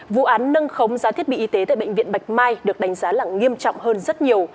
vụ án nâng khống giá thiết bị y tế tại bệnh viện bạch mai được đánh giá là nghiêm trọng hơn rất nhiều